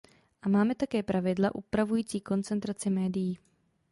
A máme také pravidla upravující koncentraci médií.